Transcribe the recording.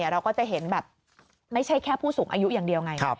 เราก็จะเห็นแบบไม่ใช่แค่ผู้สูงอายุอย่างเดียวไง